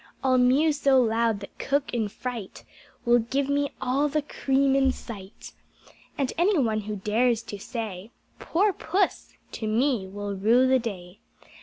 I'll mew so loud that Cook in fright Will give me all the cream in sight. And anyone who dares to say "Poor Puss" to me will rue the day.